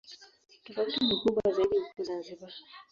Tofauti ni kubwa zaidi huko Zanzibar.